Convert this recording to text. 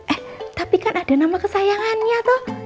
eh tapi kan ada nama kesayangannya tuh